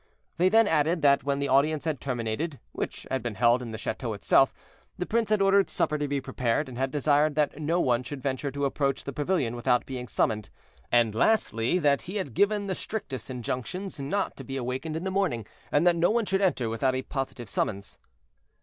They then added that when the audience had terminated, which had been held in the chateau itself, the prince had ordered supper to be prepared, and had desired that no one should venture to approach the pavilion without being summoned; and lastly, that he had given the strictest injunctions not to be awakened in the morning, and that no one should enter without a positive summons.